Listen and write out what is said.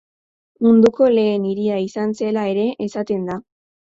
Munduko lehen hiria izan zela ere esaten da.